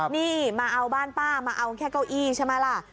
นี่มาเอาบ้านป้ามาเอาแค่เก้าอี้ใช่ไหมล่ะ